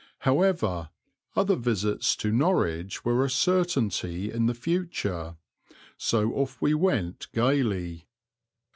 However, other visits to Norwich were a certainty in the future, so off we went gaily.